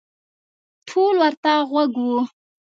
ټول ورته غوږ وو.